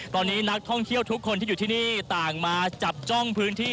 ตอนนี้นักท่องเที่ยวทุกคนที่อยู่ที่นี่ต่างมาจับจ้องพื้นที่